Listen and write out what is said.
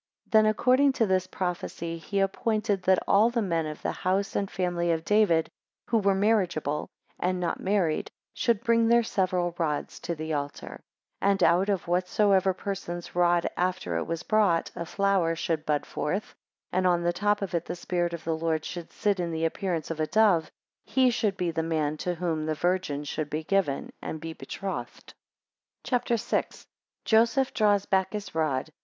16 Then, according to this prophecy, he appointed, that all the men of the house and family of David, who were marriageable, and not married, should bring their several rods to the altar, 17 And out of whatsoever person's rod after it was brought, a flower should bud forth, and on the top of it the Spirit of the Lord should sit in the appearance of a dove, he should be the man to whom the Virgin should be given and be betrothed. CHAPTER VI. 1 Joseph draws back his rod.